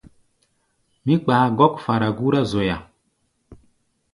Mí kpaa gɔ́k fara gúrá zoya.